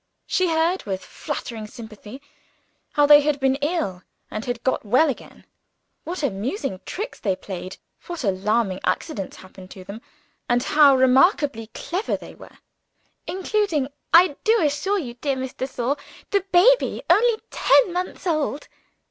She heard with flattering sympathy, how they had been ill and had got well again; what amusing tricks they played, what alarming accidents happened to them, and how remarkably clever they were "including, I do assure you, dear Miss de Sor, the baby only ten months old."